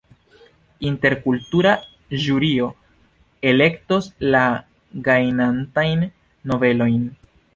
Interkultura ĵurio elektos la gajnantajn novelojn.